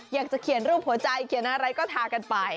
อยากจะเขียนรูปหัวใจเขียนอะไรก็ทากันไป